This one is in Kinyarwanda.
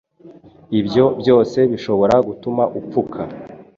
ibyo byose bishobora gutuma upfuka